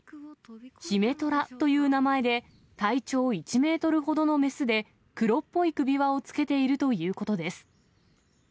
ヒメトラという名前で、体長１メートルほどの雌で、黒っぽい首輪をつけているということです。